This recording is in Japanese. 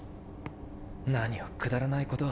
何をくだらないこと。